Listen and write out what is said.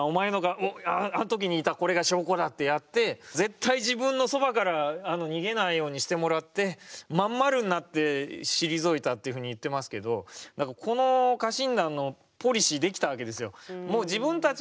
「おっあの時にいたこれが証拠だ！」ってやって絶対自分のそばから逃げないようにしてもらって真ん丸になって退いたっていうふうに言ってますけど何かこの家臣団のポリシー出来たわけですよ。